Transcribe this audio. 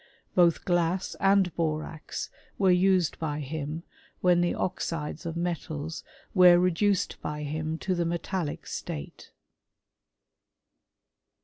127 Both glass and borax were used by him when the oxides of metals were reduced by him to the metallic state.